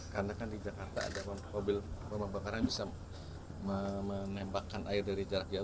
karena kan di jakarta ada mobil pembakaran bisa menembakkan air dari jarak jauh